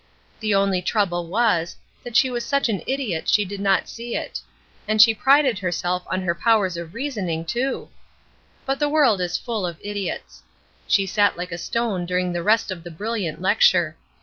The only trouble was, that she was such an idiot she did not see it; and she prided herself on her powers of reasoning, too! But the world is full of idiots. She sat like a stone during the rest of the brilliant lecture.